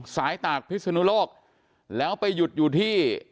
ตากพิศนุโลกแล้วไปหยุดอยู่ที่